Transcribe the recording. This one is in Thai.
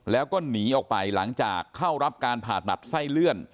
แล้วก็หนีออกไปหลังจากเข้ารับการผ่าตัดไส้เลื่อน